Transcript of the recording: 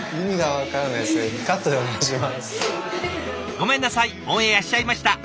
ごめんなさいオンエアしちゃいました。